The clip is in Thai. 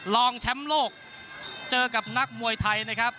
รองแชมป์โลกเจอกับนักมวยไทยนะครับ